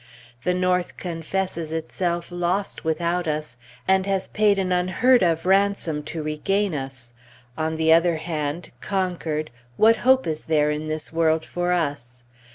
The North confesses itself lost without us, and has paid an unheard of ransom to regain us. On the other hand, conquered, what hope is there in this world for us?